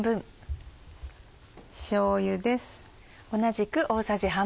しょうゆです。